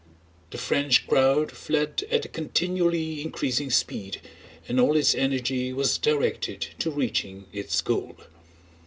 The French crowd fled at a continually increasing speed and all its energy was directed to reaching its goal.